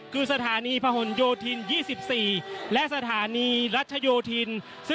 คือสถานีพนโยธิน๒๔และสถานีรัชโยธิน